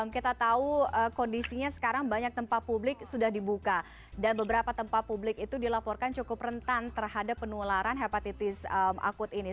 kita tahu kondisinya sekarang banyak tempat publik sudah dibuka dan beberapa tempat publik itu dilaporkan cukup rentan terhadap penularan hepatitis akut ini